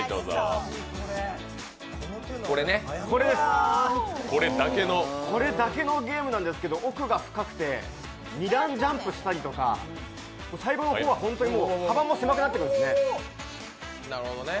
これです、これだけのゲームなんですけど、奥が深くて二段ジャンプしたりとか最後の方は本当に幅も狭くなってくるんですね。